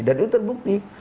dan itu terbukti